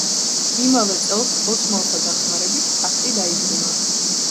იმავე წელს ოსმალთა დახმარებით ტახტი დაიბრუნა.